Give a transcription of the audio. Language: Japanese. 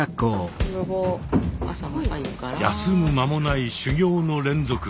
休む間もない修行の連続。